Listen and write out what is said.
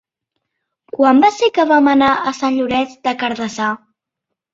Quan va ser que vam anar a Sant Llorenç des Cardassar?